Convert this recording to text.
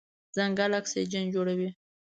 ځنګل اکسیجن جوړوي.